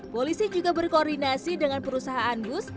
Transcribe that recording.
polisi juga berkoordinasi dengan perusahaan bus